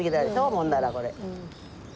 もんだらこれ。